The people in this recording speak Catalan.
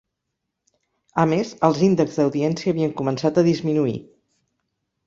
A més, els índexs d'audiència havien començat a disminuir.